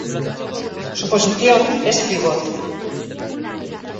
Su posición es Pívot.